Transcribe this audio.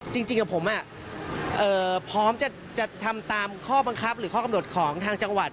จริงกับผมพร้อมจะทำตามข้อบังคับหรือข้อกำหนดของทางจังหวัด